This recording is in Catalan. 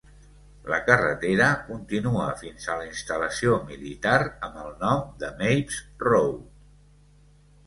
La carretera continua fins a la instal·lació militar amb el nom de Mapes Road.